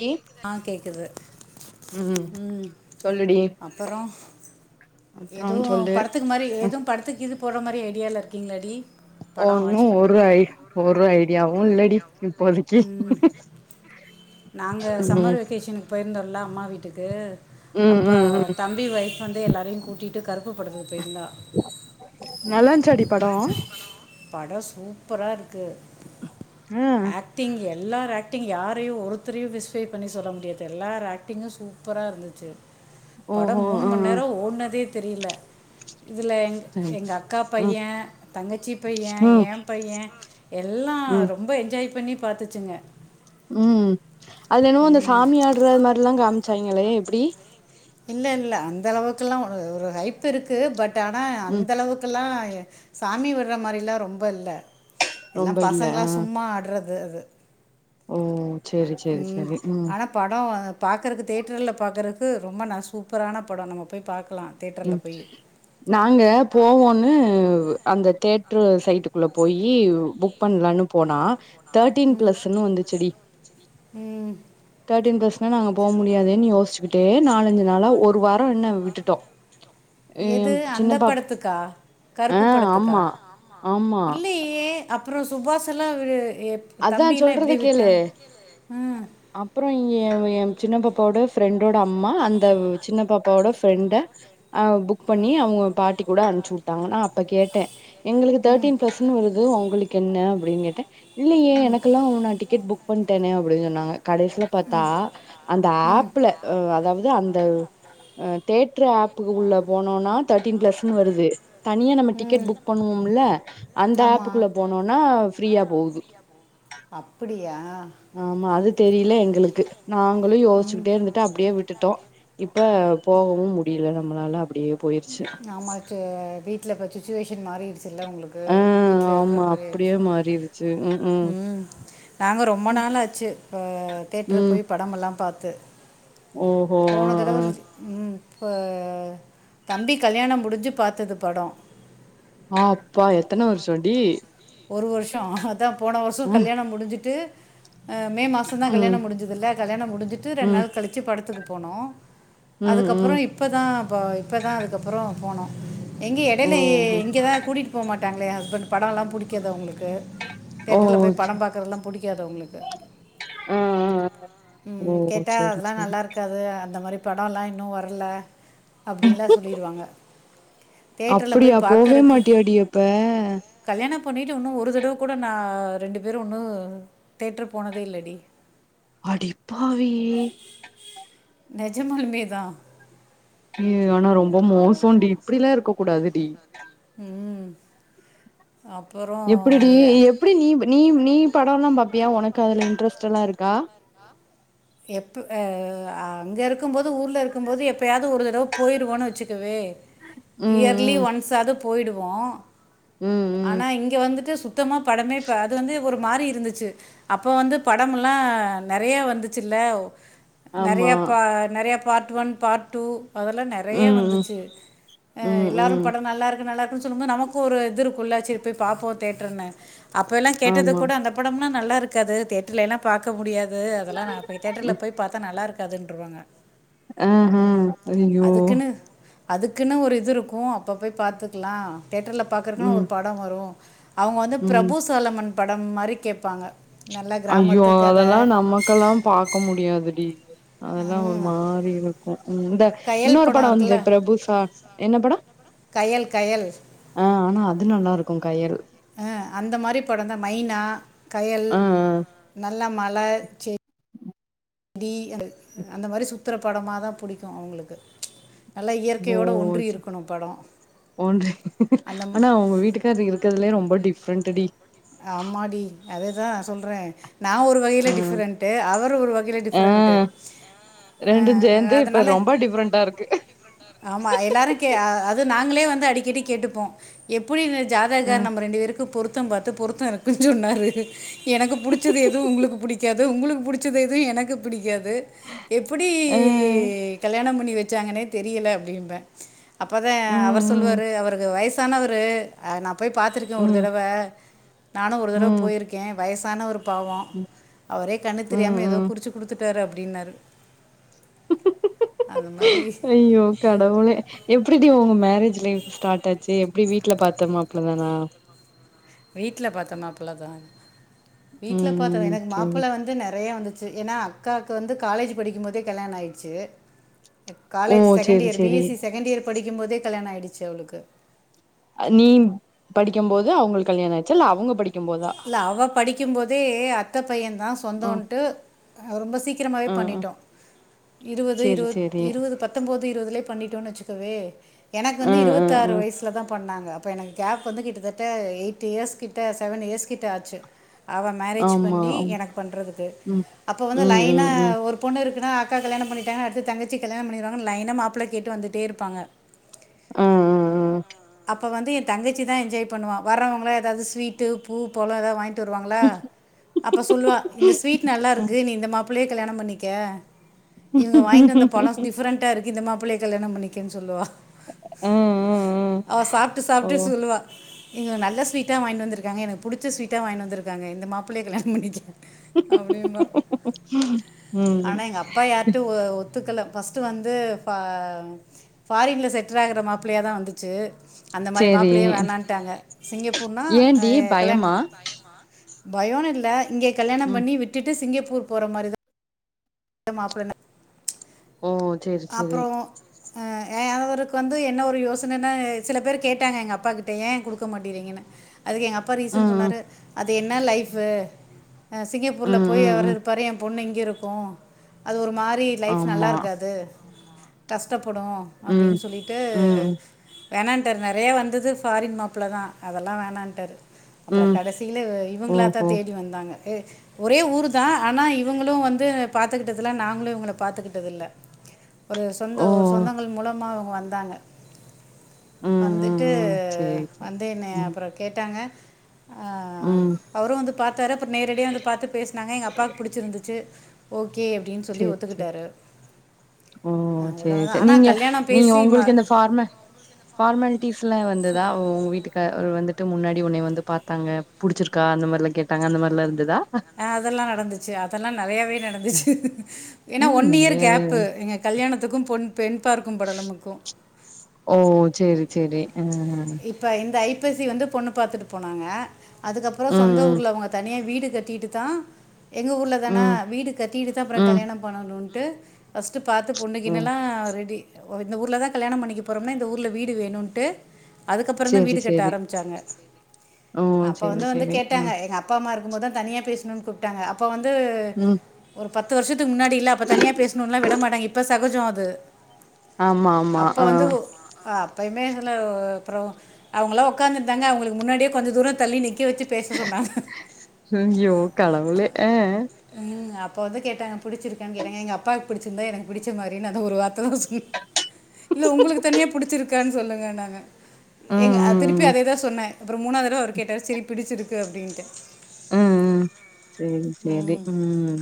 D ஆ கேக்குது ம் சொல்லுடி அப்பறம் அப்றோ எதுவும் சொல்லு படத்துக்கு மாரி எதும் படத்துக்கு இது போடற மாரி ஐடியால இருக்கீங்களாடி படம் வாட்ச் ஒன்னும் ஒரு பண்ணுறது ஐ ஒரு ஐடியாவும் இல்லாடி இப்போதைக்கு நாங்க ம் சம்மர் வெக்கேஷனுக்கு போயிருந்தோம்ல அம்மா வீட்டுக்கு ம் அப்ப ம் ம் தம்பி ஒய்ஃப் வந்து எல்லாரையு கூட்டிட்டு கருப்புப் படத்துக்கு போயிருந்தா நல்லா இருஞ்சாடி படம் படம் சூப்பரா இருக்கு ம் ஆக்டிங் எல்லார் ஆக்டிங் யாரையு ஒருத்தரையு ஸ்பெசிஃபை பண்ணி சொல்ல முடியாது எல்லார் ஆக்டிங்கும் சூப் பரா இருந்துச்சு படம் ஓஹோ மூணு ஆ மண் நேரம் ஓடுனதே தெரில இதுல எங்க ம் எங்க அக்கா ம் பையன் தங்கச்சி பையன் ம் என் பையன் எல்லாம் ம் ரொம்ப ரொம்ப என்ஜாய் பண்ணி பாத்துச்சுங்க ம் அதுல என்னோ அந்த சாமி ஆடுற மாரில்லாம் காமிச்சாங்களே எப்டி இல்ல இல்ல அந்த அளவுக்கல்லாம் ஒரு ஹைப் இருக்கு பட் ஆனா ம் அந்த அளவுக்கல்லாம் சாமி விடுற மாரிலாம் ரொம்ப இல்ல ரொம்ப எல்லாம் இல்ல ஆ பசங்க சும்மா ஆடுறது அது ஓ செரி செரி செரி ம் படம் பார்க்கறக்கு தேட்டர்ல பார்க்கறக்கு ரொம்ப ந சூப்பரான படம் நம்ம போய் பாக்கலாம் ம் நாங்க போவோம்ன்னு அந்த தேட்ரு சைட்டு உள்ள போயி புக் பண்லானு போனா தேட்டீன் பிளஸ்ன்னு வந்துச்சுடி ம் தேட்டீன் பிளஸ்னா நாங்க போக முடியாதேன்னு யோசச்சுக்கிட்டே நாலஞ்சு நாளா ஒரு வாரம் என்ன விட்டுட்டோம் எது அந்த படத்துக்கா ஆ கருப்பு படத்துக்கா ஆமா ஆமா இல்லயே அப்பறம் சுபாஸல்லா வி எப் அதா தம்பில்லாம் எப்படி விட்டான் ம் அப்பறம் இவ என் சின்ன பாப்பாவோட ஃப்ரெண்டோட அம்மா அந்த சின்ன பாப்பாவோட ஃப்ரெண்ட அவன் புக் பண்ணி அவங்க பாட்டி கூட அனுப்ச்சி உட்டான் நா அப்ப கேட்டேன் எங்களுக்கு தேட்டீன் பிளஸ்னு வருது உங்களுக்கு என்ன அப்டின்னு கேட்டே இல்லையே எனக்கல்லாம் நா டிக்கெட் புக் பண்ணிட்டேனே அப்டின்னு சொன்னாங்க கடசில பாத்தா அந்த ம் ஆப்ல அ அதாவது அந்த தேட்டர் ஆப்புக்குள்ள போனோனா தேட்டீன் பிளஸ்ன்னு வருது தனியா நம்ம டிக்கெட் ம் புக் பண்ணுவோம்ல அந்த ஆமாம் ஆப்புக்குள்ள போனோம்னா ஃப்ரீயா போகுது அப்டியா ஆமா அது தெரில எங்களுக்கு நாங்களும் யோசிச்சுகிட்டே இருந்துட்டு அப்டியே விட்டுட்டோம் இப்ப போகவும் முடில நம்மளால அப்டியே போயிருச்சு வீட்ல இப்ப சுச்சுவேஷன் மாறிடுச்சுல்ல உங்களுக்கு வீட்ல இருக்கற மாரி ஆயிச்சு மாரிரு ச்சு ம் ம் நாங்க ரொம்ப ம் நாள் ஆச்சு இப்ப தேட்டரு ம். போய் படமெல்லா பாத்து ஓஹோ ஆ ஆ போனதடவ ம் பா தம்பி கல்யாணோ முடிஞ்சு பாத்தது படோ ஆ அப்பா எத்தன வருஷோண்டி ஒரு வருஷோ அதா போன வருஷோ ம் கல்யாணோ முடிஞ்சுட்டு அ மே மாசந்தா ம் கல்யாணோ முடிஞ்சதுல்ல கல்யாணோ முடிஞ்சுட்டு ரெண்டு ம் நாள் கழிச்சு படத்துக்கு போனோ ம் அதுக்கப்பறோ ம் இப்பதா ப இப்பதா அதுக்கப்பறோ போனோ எங்கே எடையில ஓஹோ இங்கே தா கூட்டிகிட்டு போ மாட்டாங்களே ஏ ஹஸ்பண்ட்டு படோல்லா புடிக்காது அவுங்களுக்கு ஓ தேட்ருல போய் சே படம் பாக்குறதெல்லா புடிக்காது அவுங்களுக்கு ஆ ஆ ம் ஓ ம் கேட்டா சேரி அதல்லா சேரி நல்லாருக்காது அந்த மாரி படோ எல்லா இன்னு வர்ல அப்டின்லா சொல்லிருவாங்க தேட்ருல்ல அப்டியா போய் போவே பாக்குறதுக்கு மாட்டியாடி அப்ப கல்யாணோ பண்ணிக்கிட்டு இன்னு ஒரு தடவ கூட நா ரெண்டு பேரு இன்னு தேட்ரு போனதே இல்லடி அடிப்பாவி நெஜமாலுமே தா ஏ ஆனா ரொம்ப மோசோன்டி இப்புடில்லா இருக்க கூடாது டி ம் ம் அப்பறோ எப்புடி டி எப்டி நீ நீ நீ படோல்லா பாப்பியா ஒனக்கு அதுல இன்ட்ரெஸ்டெல்லா இருக்கா எப்ப அ அ அங்க இருக்கும்போது ஊர்ல இருக்கும்போது எப்பையாது ஒரு தடவ போயிருவோன்னு வச்சுக்கவே ம் இயர்லி ம் ஒன்ஸாது போய்டுவோ ம் ம் ஆனா இங்க வந்துட்டு சுத் சுத்தமா படமே இப்ப அது வந்து ஒரு மாரி இருந்துச்சு அப்போ வந்து படமுல்லா நெறையா வந்துச்சுல்ல ஆமா நெறையா பா நெறையா பார்ட் ஒன் பார்ட் டூ அதல்லா நெறையா ம் ம் வந்துச்சு அ ம் எல்லாரு ம் படோ நல்லா இருக்கு நல்லா இருக்குன்னு சொல்லும்போது நமக்கு ஒரு இது இருக் குள்ள செரி போய் பாப்போ தேட்டர்னு அப்ப எல்லா கேட்டது ஆமா. கூட அந்த படம்னா நல்லா இருக்காது தேட்ருல எல்லா பாக்க முடியாது அதெல்லா நா போய் தேட்டர்ல போய் பாத்தா நல்லா இருக்கு முடியாதுன்ருவாங்க ஆ ஹ ஐய்யய்யோ அதுக்குன்னு ஒரு இது இருக்கு அப்ப போய் பாத்துக்லா தேட்ருல்ல பாக்கறக்குன்னு ஒரு ம், படோ வரு அவுங்க வந்து ம். பிரபு சோலமன் படம் மாரி கேப்பாங்க ஐயோ அதல்லா நமக்கெல்லா பாக்க முடியாதுடி அதல்லா ஒரு ம், மாறி இருக் கு ம் இந்த கயல் இன்னொரு படம் படோ வந்துது இருக்குல்ல பிரபு சால் என்ன படோ கயல் கயல் ஆ ஆனா அது நல்லாருக்கு கயல் அ அந்த மாரி படந்தா மைனா கயல் ஆ, ஆ. நல்லா மல செ டி அந்தது அந்த மாரி சுத்துர படமாதா புடிக்கு அவுங்களுக்கு ஓ ஒன்றி அந்த ம- ஆனா உங்க வீட்டுக்கார் காரு இருக்கற்துலயே ரொம்ப டிஃப்ரெண்ட்டுடி ஆம்மாடி அதேதா சொல்றே நா ஒரு வகையில ஆ, டிஃப்ரெண்ட்டு அவரு ஒரு வகையில டிஃப்ரெண்ட்டு ரெண்டு சேந்து இப்ப ரொம்ப டிஃப்ரெண்டா இருக்கு ஆமா எல்லாரு கே அ அது நாங்களே வந்து அடிக்கடி கேட்டுப்போ எப்புடி இந்த ஆ, ஜாதககார் நம்ம ரெண்டு வேருக்கு பொருத்தம் பாத்து பொருத்தோ இருக்குன் சொன்னாரு எனக்கு புடிச்சது எதுவு உங்களுக்கு புடிக்காது உங்களுக்கு புடிச்சது எதுவு எனக்கு பிடிக்காது காது எப்புடி ஆ. கல்யாணம் பண்ணி வச்சாங்கன்னே தெரியல அப்டிம்பே அப்பதா அவர் ம், ம், சொல்லுவாரு அவருக்கு வயசானவரு அ நா போய் பாத்துருக்கே ஒரு ம், தடவ நானு ஒரு ம், தடவ போயிருக்கே வயசானவரு பாவோ ம், அவரே கண்ணு ம், தெரியாம ஏதோ ம். குறிச்சு குடுத்து தாரு அப்டின்னாரு மாதிரி ஐயோ கடவுளே எப்டி டி உங்க மேரேஜ் லைஃப் ஸ்டார்ட் ஆச்சு எப்டி வீட்ல பாத்த மாப்ளதானா வீட்ல பாத்த மாப்பிள தா வீட்ல பாத்த ம் எனக்கு சேரி மாப்பிள வந்து நெறையா வந்தது ச்சி ஏன்னா அக்காக்கு வந்து காலேஜ் படிக்கும் போதே கல்யாணோ ஆயிட்சி ஓ காலேஜ் செகண்ட் சேரி இயர் பி சேரி எஸ் சி செகண்ட் இயர் படிக்கும்போதே கல்யாணோ ஆயிடுச்சு அவளுக்கு நீ படிக்கும்போது அவுங்களுக்கு கல்யாணோ ஆயிருச்சா இல்ல அவுங்க படி இல்ல அவ படிக்கும் போதே அத்த பையேதா ஆ சொந்தோன்ட்டு ரொம்ப சீக்கிரமாவே ஆ ஆ பண்ணிட்டோ இருவது சேரி இருவத் சேரி இருவது பத் பத்தொம்போது இருவதுலே பண்ணிட்டோன்னு வச்சுக்கோவே எனக்கு ஆ வந்து ஆ இருவத்தாறு ஆ வயசுலதா பண்ணாங்க அப்போ எனக்கு கேப் வந்து கிட்டத்தட்ட எயிட் இயர்ஸ்கிட்ட செவன் இயர்ஸ் கிட்ட ஆச்சு அவ மேரேஜ் ஆமா பண்ணி எனக்கு பண்றதுக்கு ம் அப்போ வந்து ம் லைனா ம் ம் ஒரு பொண்ணு இருக்குனா அக்கா கல்யாணோ பண்ணிட்டாங்க அடுத்து தங்கச்சி கல்யாணோ பண்ணிருவாங்கனு லைனா மாப்பிள கேட்டு வந்துட்டே இருப்பாங்க ஆ ம் ம் அப்போ வந்து ஏ தங்கச்சிதா என்ஜாய் பண்ணுவா வரவங்கல்லா எதாது ஸ்வீட்டு பூ பழோ எதாது வாங்கிட்டு வருவாங்ளா அப்ப சொல்லுவா இந்த ஸ்வீட் நல்லா இருக்கு நீ இந்த மாப்பிளையே கல்யாணம் பண்ணிக்க இவங்க வாங்கிட்டு வந்த பழோ டிஃப்ரெண்டா இருக்கு இந்த மாப்பிள்ளைய கல்யாணோ பண்ணிக்கோன்னு சொல்லுவா ம் ம் ம் அவ சாப்ட்டு சாப்ட்டு சொல்லுவா இவுங்க நல்ல ஸ்வீட்டா வாங்கினு வந்துருக்காங்க எனக்கு புடிச்ச ஸ்வீட்டா வாங்கினு வந்துருக்காங்க இந்த மாப்பிள்ளைய கல்யாணோ பண்ணிக்க அப்டிம்பா ம் ஆனா எங்க அப்பா யார்டயு ஒ ஒத்துக்கல ஃபஸ்ர்ட்டு வந்து ப ஃபாரின்ல செட்டில் ஆகற மாப்பிளையாதா வந்துச்சு அந்த மாரி மாப்பிள்ளையே சேரி வேணான்டாங்க சிங்கப்பூர்னா ஆ ஏன்டி கல்யாண பயமா பயோன்னு இல்ல இங்க கல்யாணம் ம் பண்ணி விட்டுட்டு சிங்கப்பூர் போற மாரிதா மாப்பிளனா ஓ சேரி சேரி அப்றோ ஆ அவருக்கு வந்து என்ன ஒரு யோசனன்னா சில பேர் கேட்டாங்க எங்க அப்பாகிட்ட ஏயே குடுக் குடுக்க மாட்டிகிறீங்கன்னு அதுக்கு எங்க அப்பா ரீசன் ம் ம் சொன்னாரு அது என்னா லைஃப் அ சிங்கப்பூர்ல ம் போய் ம் அவரு ம் இருப்பாரு ஏ பொண்ணு இங்க இருக்கு அது ஒரு மாரி லைஃப் நல்லா ஆமா இருக்காது கஷ்டப்படு ம் அப்டின்னு சொல்லிட்டு ம் வேணான்டாரு நெறைய வந்தது ஃபாரின் மாப்பளதா அதெல்லா வேணான்டாரு அப்றோ ம் கடைசில இவங்களா தா ஓஹோ தேடி வந்தாங்க ஒரே ஊருதா ஆனா இவங்களு வந்து பாத்துக்கிட்டதில்ல நாங்களு இவங்கள பாத்துக்கிட்டதில்ல ஒரு சொந்த ஓ ஒரு சொந்தங்கள் மூலமா இவுங்க வந்தாங்க ம் ம் வந்துட்டு ம் சேரி சேரி வந்து என்னய ம் அப்புறோ கேட்டாங்க ஆ ம் அவரு வந்து பாத்தாரு அப்புறோ நேரடியா வந்து பாத்து பேசுனாங்க எங்க அப்பாக்கு புடிச்சிருந்துச்சு ஓகே அப்டின்னு சொல்லி சேரி சேரி ஒத்துக்கிட்டாரு ஓ செரி அவ்வளோதான் செரி ஆனால் நீங்க கல்யாணம் நீங்க பேசி ம உங்களுக்கு இந்த ஃபார்ம ஃபார்மாலிட்டிஸ்லா வந்ததா ஓ உங்க வீட்டுக்கார் வந்துட்டு முன்னாடி உன்னைய வந்து பாத்தாங்க புடிச்சிருக்கா அந்த மாரில்லா கேட்டாங்க அந்த மாரிலா இருந்ததா ஆ அதெல்லா நடந்துச்சு அதெல்லா நெறையாவே நடந்துச்சு ஏன்னா ம் ஒன் இயர் நெறையாவே கேப்பு எங்க கல்யாணத்துக்கு பொண் பெண் பார்க்கும் படலமுக்கு ஓ சேரி சேரி ம் இப்ப இந்த ஐப்பசி வந்து பொண்ணு பாத்துட்டு போனாங்க அதுக்கப்புறோ ம் சொந்த ம் ஊர்ல அவுங்க தனியா வீடு கட்டிட்டு தா எங்க ஊர்லதானா ம் வீடு கட்டிட்டு தா அப்புற ம் கல்யாணம் பண்ணணுன்ட்டு ஃபஸ்ட்டு பாத்து ம் பொண்கின்னெல்லா ரெடி ஒ இந்த ஊர்ல தா கல்யாணம் பண்ணிக்க போறோம்ன இந்த ஊருல வீடு வேணுன்ட்டு அதுக்கப்புறந்தா சேரி வீடு கட்ட சேரி ஆரம்பிச்சாங்க ஓ அப்போ சேரி வந்து வந்து சேரி ம் கேட்டாங்க எங்க அப் பா அம்மா இருக்கும் போத்தா தனியா பேஸ்ணுன் கூப்ட்டாங்க அப்போ வந்து ம் ஒரு பத்து வருஷத்துக் முன்னாடியில்ல அப்ப தனியா பேசணுன்ல்லா விட மாட்டாங்க இப்ப சகஜோ அது ஆமா ஆமா அப்ப ஆ வந்து ஒ அ அப்பயுமே இதுல அப்பறோ அவுங்கெலா உக்காந்துருந்தாங்க அவுங்களுக்கு முன்னாடியே கொஞ்ச தூர தள்ளி நிக் அய்யோ கடவுளே ஆ ம் அப்ப வந்து கேட்டாங்க புடிச்சிருக்கான் கேட்டாங்க எங்க அப்பாவுக்கு புடிச்சிருந்தா எனக்கு புடிச்ச மாரினு அந்த ஒரு வார்த்ததா சொன் இல்ல உங்களுக்கு தனியா புடிச்சிருக்கான் சொல்லுங்கன்னாங்க ம் எங்க அ திருப்பி ம் ம் ம் அதேதா சொன்ன அப்புற மூணா தடவ அவரு கேட்டாரு செரி பிடிச்சிருக்கு அப்டின்ட்ட ம் ம் சேரி சேரி ம்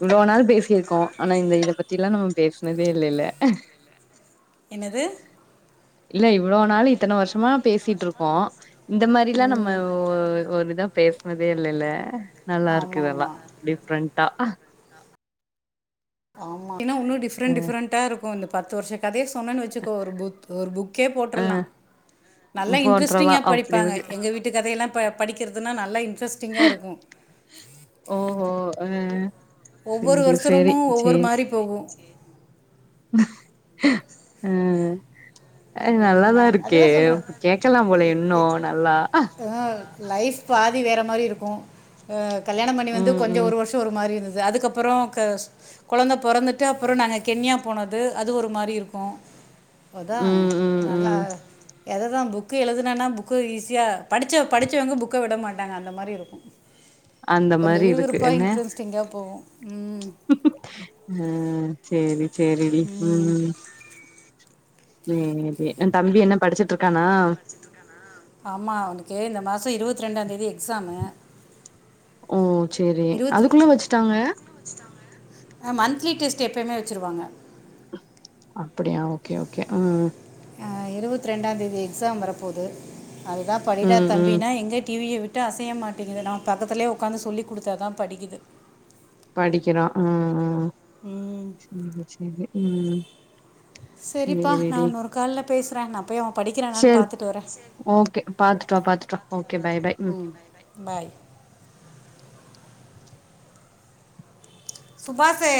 இவ்ளோ நாள் பேசியிருக்கோ ஆனா இந்த இத பத்தியெல்லா நம்ம பேஸ்னதேயில்ல இல்ல என்னது இல்ல இவ்ளோ நாள் இத்தன வருஷமா பேசிட்ருக்கோ இந்த மாரில்லா நம்ம ம் ஒ ஒரு இதா பேஸ்னதே இல்லல்ல நல்லாருக்கு ஆமாம் இதெல்லா ஆமாம் டிஃப்ரெண்டா ஆமா ஏன்னா இன்னு டிஃப்ரெண்ட் டிஃப்ரெண்டா இருக்கு இந்த பத்து வருஷ கதைய சொன்னேன் வெச்சுக்கோ ஒரு புத் ஒரு புக்கே ஆ போட்டுரலா நல்லா போட்றலா இன்ட்ரெஸ்டிங்கா அப்டி படிப்பாங்க இருக்கு எங்க வீட்டு கதையெல்லா ம் படிக்கிறதுன நல்லா இன்ட்ரெஸ்ட் டிங்கா இருக்கு ஓஹோ ஆ ஒவ்வொரு சேரி சேரி வருஷனமு ஒவ்வொரு சேரி மாரி போகு அ அ ம், நல்லாதா நான் அதை இருக்கே தான் சொல்கிறேன் அப்ப கேக்கலாம் போலயே இன்னு நல்லா அ லைஃப் பாதி வேற மாரி இருக்கு அ கல்யாணம் பண்ணி வந்து ம் கொஞ்சு ம் ஒரு வருஷோ ஒரு மாரி இந்தது அதுக்கப்புறோ த கொழந்த பொறந்துட்டு அப்புற நாங்க கென்யா போனது அது ஒரு மாரி இருக்கு அதா ம் ம் நல்லா ம் எததா புக்கு எழுதுனன்னா புக்கு ஈஸியா படிச்ச படிச்சவங்க புக்க விட மாட்டாங்க அந்த மாரி இருக்கு அந்த கொஞ்சு மாரி இருக்கு விறுவிறுப்பா இன்ட்ரெஸ்ட்டிங்கா போவு ம் ம் சேரி சேரிடி ம் ம் ஓகே உ தம்பி என்ன படிச்சிட்ருக்கானா ஆமா அவனுக்கு இந்த மாச இருவத் ரெண்டாந்தேதி எக்ஸாமு ஓ சேரி அதுக்குள்ள வெச்சுட்டாங்க அ மந்த்லி டெஸ்ட் எப்பயுமே வெச்சுருவாங்க அப்படியா ஓகே ஓகே ம் அ இருவத்ரெண்டாந் தேதி எக்ஸாம் வரப்போது அதுதா படிடா ம் ம் தம்பினா எங்கே டிவிய விட் டு அசைய மாட்டேங்குது நா பக்கத்தலே உக்காந்து சொல்லி குடுத்த தா படிக்கிது படிக்கினோ அ அ ம் சேரி சேரி ம் சேரிடி கால்ல பேசுறே நா போய் அ சேரி ஓகே பாத்துட்டு வா பாத்துட் வா ஓகே பாய் பாய் ம் பாய் சுபாசே